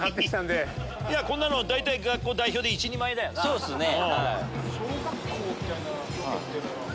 そうっすね。